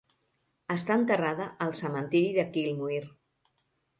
Està enterrada al cementiri de Kilmuir.